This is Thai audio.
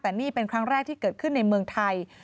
แต่นี่เป็นครั้งแรกที่เกิดขึ้นในเมืองไทย